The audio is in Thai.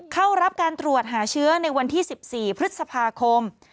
เข้ารับการตรวจหาเชื้อในวันที่๑๔พฤษภาคม